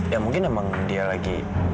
ya mungkin emang dia lagi